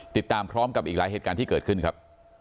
ติดตามพร้อมกับอีกหลายเหตุการณ์ที่เกิดขึ้นครับ